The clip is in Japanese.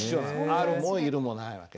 「ある」も「いる」もない訳。